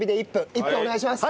１分お願いします。